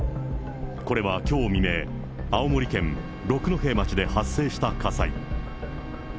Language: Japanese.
これはきょう未明、青森県六戸町で発生した火災。